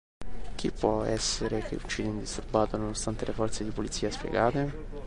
Chi può essere che uccide indisturbato nonostante le forze di polizia spiegate?